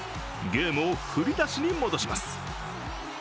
ゲームを振りだしに戻します。